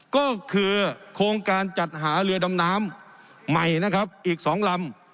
ก็คือโครงการจัดหาเรือดำน้ำใหม่นะครับอีก๒ลำ